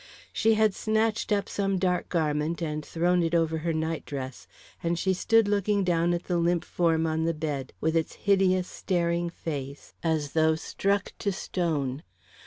She had snatched up some dark garment and thrown it over her night dress, and she stood looking down at the limp form on the bed, with its hideous, staring face, as though struck to stone.